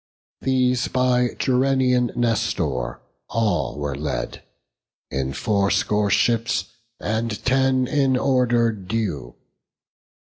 These by Gerenian Nestor all were led, In fourscore ships and ten in order due.